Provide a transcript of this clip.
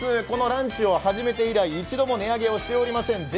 このランチを始めて以来、一度も値上げをしていません。